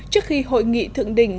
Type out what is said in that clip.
trước khi hội nghị thượng đỉnh